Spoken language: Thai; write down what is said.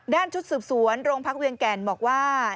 ชุดสืบสวนโรงพักเวียงแก่นบอกว่า